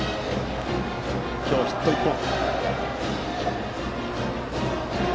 今日はヒット１本。